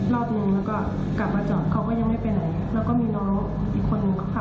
แล้วก็มีคนนั้นนะคะเขาก็เดินมาข้างหน้า